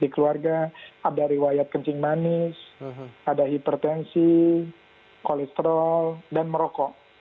di keluarga ada riwayat kencing manis ada hipertensi kolesterol dan merokok